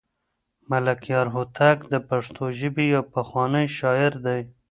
ملکیار هوتک د پښتو ژبې یو پخوانی شاعر دی.